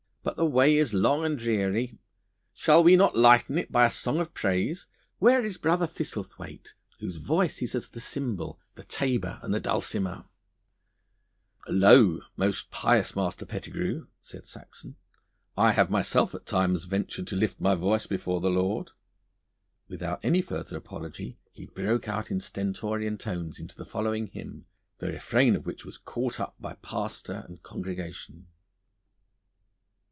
But the way is long and dreary. Shall we not lighten it by a song of praise? Where is Brother Thistlethwaite, whose voice is as the cymbal, the tabor, and the dulcimer?' 'Lo, most pious Master Pettigrue,' said Saxon, 'I have myself at times ventured to lift up my voice before the Lord.' Without any further apology he broke out in stentorian tones into the following hymn, the refrain of which was caught up by pastor and congregation.